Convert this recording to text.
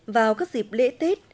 vào các dịp lễ tết